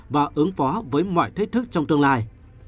và ứng phó với mọi thách thức trong tương lai